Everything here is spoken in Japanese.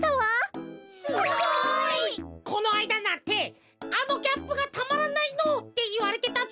すごい！このあいだなんて「あのギャップがたまらないの」っていわれてたぜ。